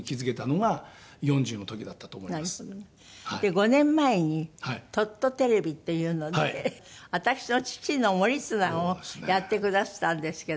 ５年前に『トットてれび』っていうので私の父の守綱をやってくだすったんですけど。